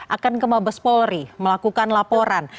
akan ke mabes polri melakukan laporan